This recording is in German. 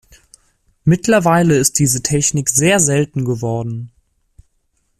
Mittlerweile ist diese Technik sehr selten geworden.